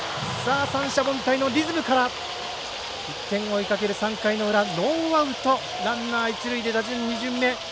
三者凡退のリズムから１点を追いかける３回裏ノーアウト、ランナー、一塁で打順２巡目。